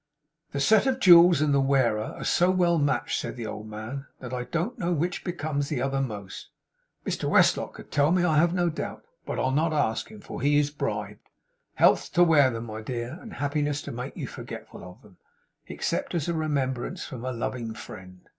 'The set of jewels and the wearer are so well matched,' said the old man, 'that I don't know which becomes the other most. Mr Westlock could tell me, I have no doubt, but I'll not ask him, for he is bribed. Health to wear them, my dear, and happiness to make you forgetful of them, except as a remembrance from a loving friend!